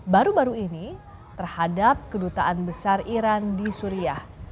baru baru ini terhadap kedutaan besar iran di suriah